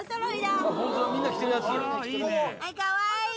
かわいい！